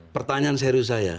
pertanyaan serius saya